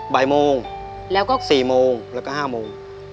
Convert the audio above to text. บ่ายโมง๔โมงแล้วก็๕โมง